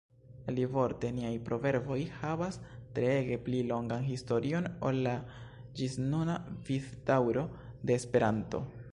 Alivorte, niaj proverboj havas treege pli longan historion ol la ĝisnuna vivdaŭro de Esperanto.